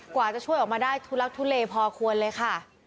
กว่าจะช่วยออกมาได้ทุลักทุเลพอควรเลยค่ะ